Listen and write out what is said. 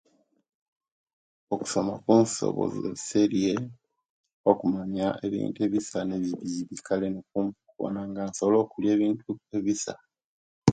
Okusoma kunsobozeserie okumanya ebintu ebisa ne'ebibbibbi kale nensobola ofuba okuwona nga nsobola okukulia ebitu ebisa